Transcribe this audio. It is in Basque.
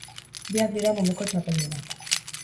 Biak dira munduko txapeldunak.